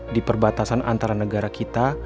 di perbatasan antara negara kita